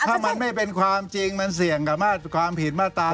ถ้ามันไม่เป็นความจริงมันเสี่ยงกับความผิดมาตรา๑